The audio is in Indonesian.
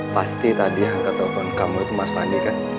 pasti tadi angkat telepon kamu itu mas fandi kan